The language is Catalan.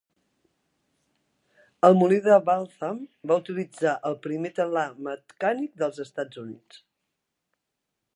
El molí de Waltham va utilitzar el primer telar mecànic dels Estats Units.